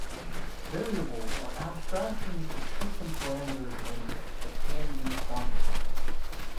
Variables are abstractions of system parameters of interest, that can be quantified.